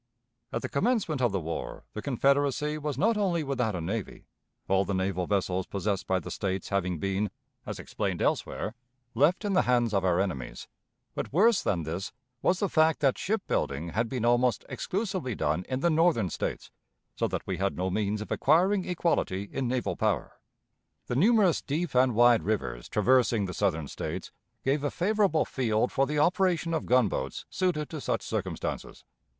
At the commencement of the war the Confederacy was not only without a navy, all the naval vessels possessed by the States having been, as explained elsewhere, left in the hands of our enemies; but worse than this was the fact that ship building had been almost exclusively done in the Northern States, so that we had no means of acquiring equality in naval power. The numerous deep and wide rivers traversing the Southern States gave a favorable field for the operation of gunboats suited to such circumstances.